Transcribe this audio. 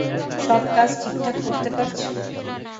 সব কাজ ঠিকঠাক করতে পারছো।